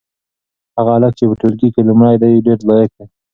هغه هلک چې په ټولګي کې لومړی دی ډېر لایق دی.